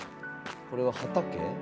これは畑？